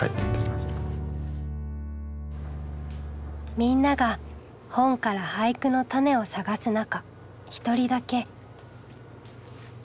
みんなが本から俳句のタネを探す中１人だけ。